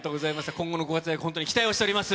今後のご活躍、本当に期待をしております。